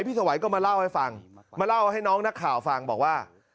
สวัยก็มาเล่าให้ฟังมาเล่าให้น้องนักข่าวฟังบอกว่า